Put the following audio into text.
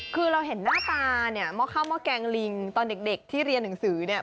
คือเราเห็นหน้าตาเนี่ยหม้อข้าวหม้อแกงลิงตอนเด็กที่เรียนหนังสือเนี่ย